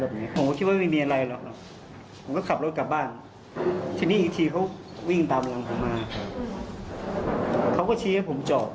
ผมก็ต้องต่อสู้พรุ่งกันตัวครับ